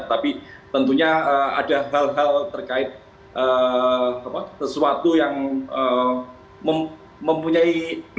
tapi tentunya ada hal hal terkait sesuatu yang mempunyai